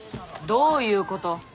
どういうこと？